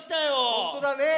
ほんとうだね。